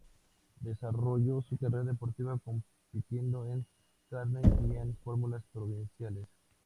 Desarrolló su carrera deportiva compitiendo en karting y en Fórmulas provinciales.